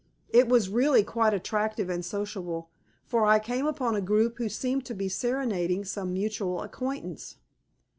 It was really quite attractive and sociable, for I came upon a group who seemed to be serenading some mutual acquaintance.